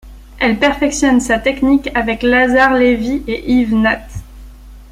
Elle perfectionne sa technique avec Lazare Lévy et Yves Nat.